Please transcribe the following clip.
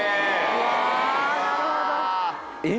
うわなるほど！